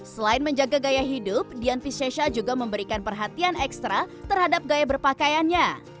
selain menjaga gaya hidup dian piscesha juga memberikan perhatian ekstra terhadap gaya berpakaiannya